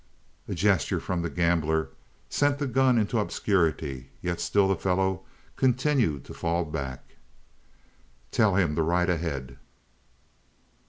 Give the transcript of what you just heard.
A gesture from the gambler sent the gun into obscurity, yet still the fellow continued to fall back. "Tell him to ride ahead."